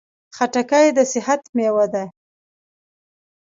خټکی د صحت مېوه ده.